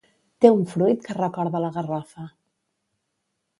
Té un fruit que recorda la garrofa.